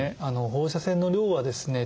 放射線の量はですね